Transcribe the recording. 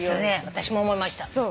私も思いました。